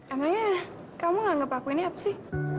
emangnya kamu nganggep aku ini apa sih